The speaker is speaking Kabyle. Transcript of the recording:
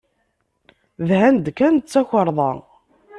Dhan-d kan d tukarḍa.